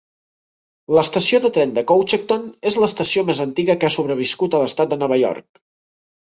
L'estació de tren de Cochecton és l'estació més antiga que ha sobreviscut a l'Estat de Nova York.